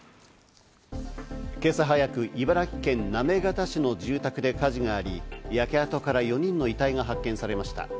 今朝早く茨城県行方市の住宅で火事があり、焼け跡から４人の遺体が発見されました。